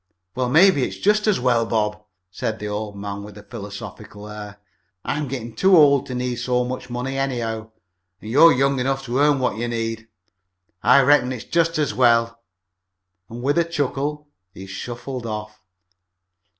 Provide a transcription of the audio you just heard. "Well, maybe it's jest as well, Bob," said the old man with a philosophical air. "I'm gittin' too old to need so much money anyhow, an' you're young enough to earn what you need. I reckon it's jest as well," and with a chuckle he shuffled off.